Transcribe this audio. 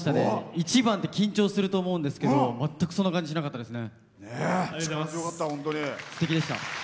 １番って緊張すると思うんですけど全くその感じしなかったですね。